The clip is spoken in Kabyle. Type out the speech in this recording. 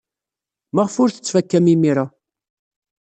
Maɣef ur t-tettfakam imir-a?